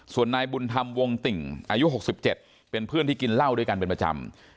ส่วนนายบุญธรรมวงติ่งอายุ๖๗เป็นเพื่อนที่กินเหล้าด้วยกันเป็นประจำ